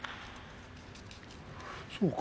そうか。